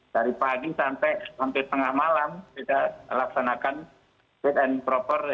dari pagi sampai tengah malam kita laksanakan fit and proper